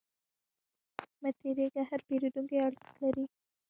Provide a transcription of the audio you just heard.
مه تریږه، هر پیرودونکی ارزښت لري.